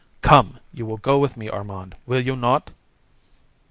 Come, you will go with me, Armand, will you not?"